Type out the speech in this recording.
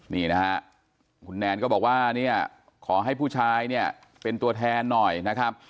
นี่นะฮะคุณแนนก็บอกว่าเนี่ยขอให้ผู้ชายเนี่ยเป็นตัวแทนหน่อยนะครับ